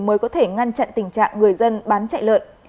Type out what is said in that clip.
mới có thể ngăn chặn tình trạng người dân bán chạy lợn